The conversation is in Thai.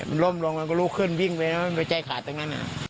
มันล่มลงมันก็ลุกขึ้นวิ่งไปแล้วมันไปใจขาดตรงนั้น